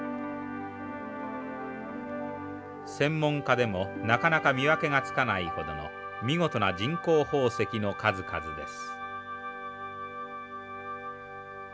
専門家でもなかなか見分けがつかないほどの見事な人工宝石の数々です。